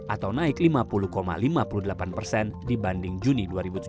atau naik lima puluh lima puluh delapan persen dibanding juni dua ribu tujuh belas